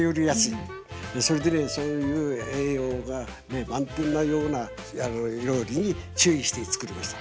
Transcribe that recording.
それでそういう栄養が満点なような料理に注意して作りました。